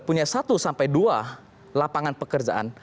punya satu sampai dua lapangan pekerjaan